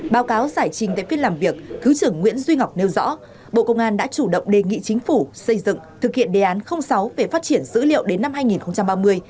báo cáo giải trình tại phiên làm việc thứ trưởng nguyễn duy ngọc nêu rõ bộ công an đã chủ động đề nghị chính phủ xây dựng thực hiện đề án sáu về phát triển dữ liệu đến năm hai nghìn ba mươi